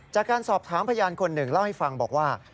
จากการสอบถามพยานคนหนึ่งเล่าให้ฟังบอกว่า